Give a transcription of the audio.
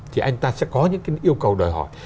thì anh ta sẽ có những cái yêu cầu đòi hỏi